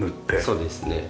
そうですね。